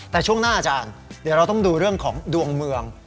แต่ช่วงหน้าอาจารย์เดี๋ยวเราต้องดูเรื่องของดวงเมือง